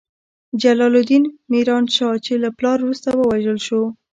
جلال الدین میران شاه، چې له پلار وروسته ووژل شو.